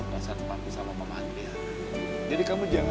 masih suka main musik